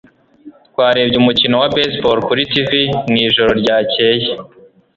Twarebye umukino wa baseball kuri TV mwijoro ryakeye.